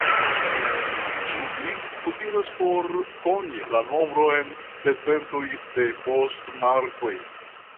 Ĝi utilas por koni la nombron de dentoj de poŝtmarkoj.